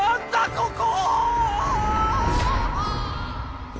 ここ！